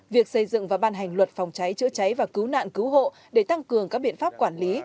việc xây dựng và ban hành luật phòng cháy chữa cháy và cứu nạn cứu hộ để tăng cường các biện pháp quản lý